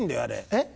えっ？